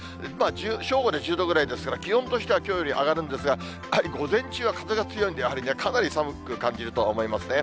正午で１０度ぐらいですから、気温としてはきょうより上がるんですが、午前中は風が強いんで、やはりね、かなり寒く感じると思いますね。